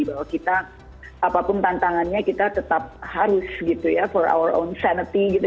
bahwa kita apapun tantangannya kita tetap harus gitu ya for our on scienity gitu